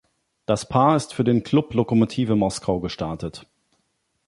Das Paar ist für den Klub Lokomotive Moskau gestartet.